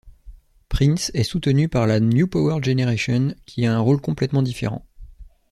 Prince est soutenu par la New Power Generation qui a un rôle complètement différent.